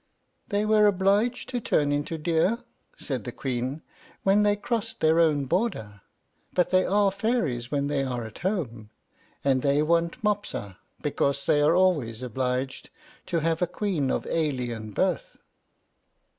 "They were obliged to turn into deer," said the Queen, "when they crossed their own border; but they are fairies when they are at home, and they want Mopsa, because they are always obliged to have a queen of alien birth."